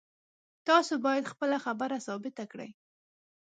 تاسو باید خپله خبره ثابته کړئ